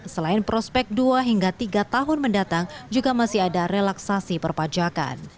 selain prospek dua hingga tiga tahun mendatang juga masih ada relaksasi perpajakan